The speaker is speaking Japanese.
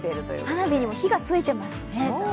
花火にも火がついていますね。